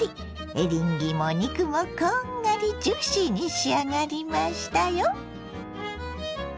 エリンギも肉もこんがりジューシーに仕上がりましたよ。